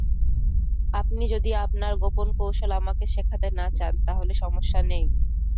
আপনি যদি আপনার গোপন কৌশল আমাকে শেখাতে না চান, তাহলে সমস্যা নেই।